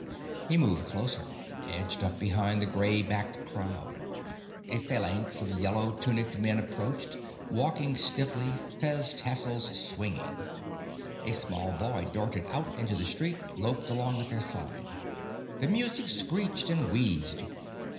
He moved closer, edged up behind the grey backed crowd. A phalanx of yellow tuniced men approached, walking stiffly, fez tassels swinging. A small boy darted out into the street, loped along at their side. The music screeched and wheezed.